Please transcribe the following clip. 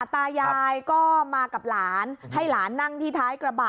ตายายก็มากับหลานให้หลานนั่งที่ท้ายกระบะ